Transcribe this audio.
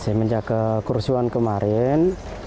saya menjaga kursi kemarin